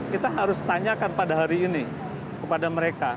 kita harus tanyakan pada hari ini kepada mereka